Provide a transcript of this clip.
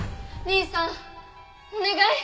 兄さんお願い！